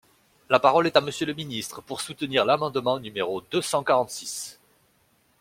La parole est à Monsieur le ministre, pour soutenir l’amendement numéro deux cent quarante-six.